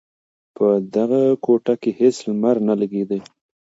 په دغه کوټه کې هېڅ لمر نه لگېده.